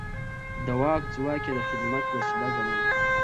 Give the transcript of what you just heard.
د واک ځواک يې د خدمت وسيله ګڼله.